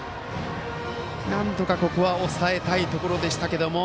なんとか、ここは抑えたいところでしたけども。